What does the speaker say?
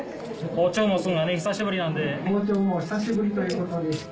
包丁も久しぶりということです。